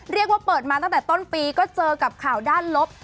เรียกว่าเปิดมาตั้งแต่ต้นปีก็เจอกับข่าวด้านลบ